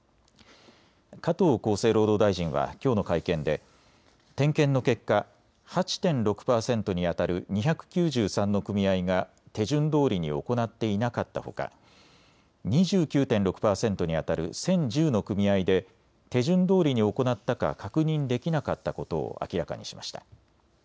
加藤厚生労働大臣はきょうの会見で点検の結果、８．６％にあたる２９３の組合が手順どおりに行っていなかったほか２９．６％にあたる１０１０の組合で手順どおりに行なったか確認できなかったことを明らかにしました。